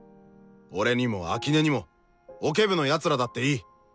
俺にも秋音にもオケ部の奴らだっていい。